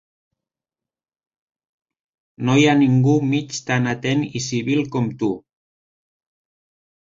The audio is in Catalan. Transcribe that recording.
No hi ha ningú mig tan atent i civil com tu.